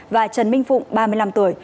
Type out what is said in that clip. và trần minh phụng ba mươi năm tuổi